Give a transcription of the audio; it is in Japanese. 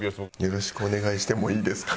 「よろしくお願いしてもいいですか？」。